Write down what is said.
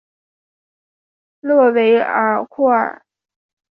勒韦尔库尔。